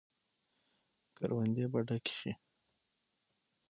کروندې به ډکې شي.